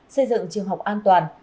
xây dựng trường học an toàn